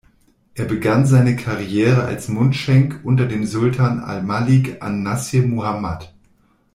Er begann seine Karriere als Mundschenk unter dem Sultan al-Malik an-Nasir Muhammad.